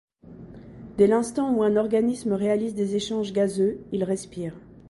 Dès l'instant où un organisme réalise des échanges gazeux, il respire.